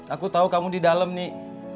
aku tahu kamu di dalam nih